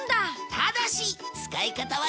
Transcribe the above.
ただし使い方は要注意！